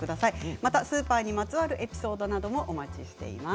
またスーパーにまつわるエピソードなどもお待ちしています。